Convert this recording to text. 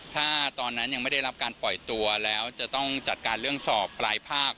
ถ้าตอนนั้นยังไม่ได้รับการปล่อยตัวแล้วจะต้องจัดการเรื่องสอบปลายภาค